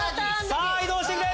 さぁ移動してくれ！